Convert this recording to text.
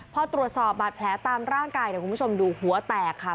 พอตรวจสอบบาดแผลตามร่างกายเดี๋ยวคุณผู้ชมดูหัวแตกค่ะ